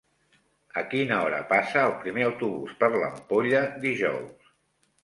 A quina hora passa el primer autobús per l'Ampolla dijous?